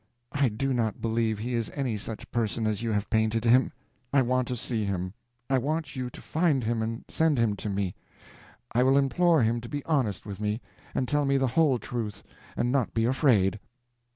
I do not believe he is any such person as you have painted him. I want to see him. I want you to find him and send him to me. I will implore him to be honest with me, and tell me the whole truth, and not be afraid."